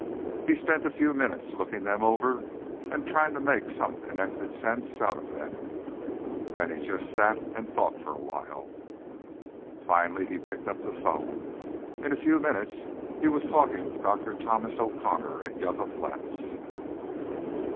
He spent a few minutes looking them over and trying to make some connected sense out of them, and then he just sat and thought for awhile. Finally he picked up the phone. In a few minutes he was talking to Dr. Thomas O'Connor, at Yucca Flats.